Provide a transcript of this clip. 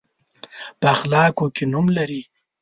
په اخلاقو کې نوم لري.